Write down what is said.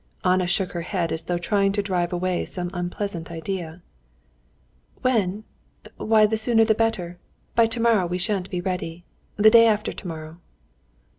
Anna shook her head as though trying to drive away some unpleasant idea. "When? Why, the sooner the better! By tomorrow we shan't be ready. The day after tomorrow."